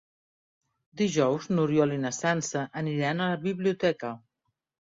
Dijous n'Oriol i na Sança aniran a la biblioteca.